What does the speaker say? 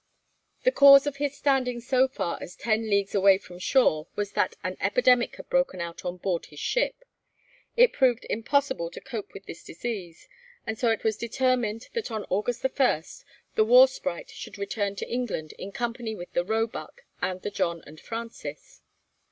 The cause of his standing so far as ten leagues away from shore was that an epidemic had broken out on board his ship. It proved impossible to cope with this disease, and so it was determined that on August 1 the 'War Sprite' should return to England, in company with the 'Roebuck' and the 'John and Francis.'